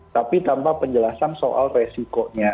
tapi tanpa penjelasan soal resikonya